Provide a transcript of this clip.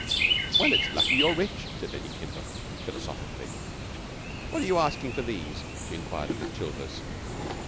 "Well, it's lucky you're rich," said Lady Kimbuck philosophically. "What are you asking for these?" she enquired of Miss Chilvers.